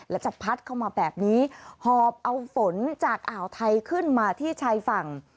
และจะพัดเข้ามาแบบนี้หอบเอาฝนจากอ่าวไทยขึ้นมาที่ชายฝั่ง